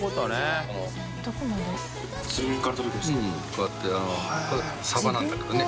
こうやってこれサバなんだけどね。